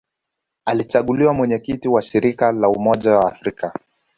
Alichaguliwa Mwenyekiti wa Shirika la Umoja wa Afrika